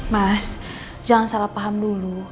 mas jangan salah paham dulu